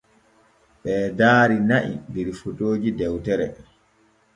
Ɓee daari na’i der fotooji dewtere.